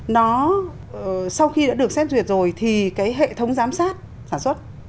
nó sau khi đã được xét duyệt rồi thì cái hệ thống giám sát sản xuất